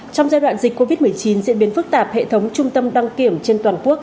trong giai đoạn dịch covid một mươi chín diễn biến phức tạp hệ thống trung tâm đăng kiểm trên toàn quốc